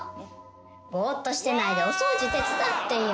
ぼーっとしてないでお掃除手伝ってよ。